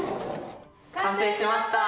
完成しました！